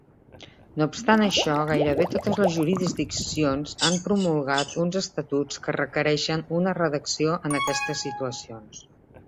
No obstant això, gairebé totes les jurisdiccions han promulgat uns estatuts que requereixen una redacció en aquestes situacions.